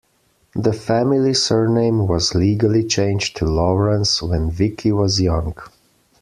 The family surname was legally changed to "Lawrence" when Vicki was young.